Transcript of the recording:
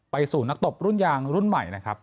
สู่นักตบรุ่นยางรุ่นใหม่นะครับ